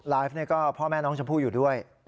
ก็พ่อแม่น้องชมพู่อยู่ด้วย